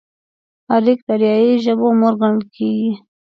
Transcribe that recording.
اريک د اريايي ژبو مور ګڼل کېږي.